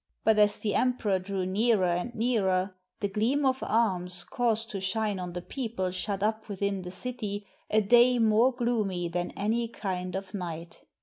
But as the emperor drew nearer and nearer, the gleam of arms caused to shine on the people shut up within the city a day more gloomy THE COMING OF CHARLEMAGNE than any kind of night.